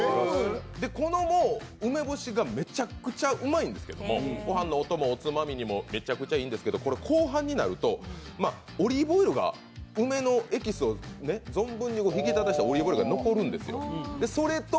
この梅干しが、めちゃくちゃうまいんですけれども御飯のお供、おつまみにもめちゃくちゃいいんですけど、後半になると、梅のエキスを存分に引き立たせたオリーブオイルが残るんですよ。